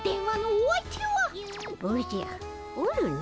おじゃおるの。